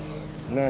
何？